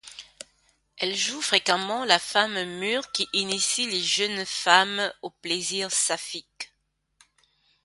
Elle joue fréquemment la femme mûre qui initie les jeunes femmes aux plaisirs saphiques.